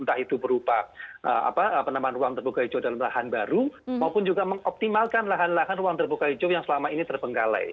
entah itu berupa penambangan ruang terbuka hijau dalam lahan baru maupun juga mengoptimalkan lahan lahan ruang terbuka hijau yang selama ini terpenggalai